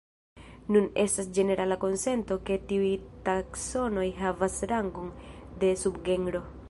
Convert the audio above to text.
Nun estas ĝenerala konsento ke tiuj taksonoj havas rangon de subgenro.